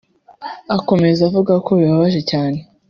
Akomeza avuga ko bibabaje cyane